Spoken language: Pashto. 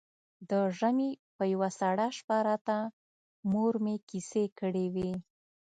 د ژمي په يوه سړه شپه راته مور مې کيسې کړې وې.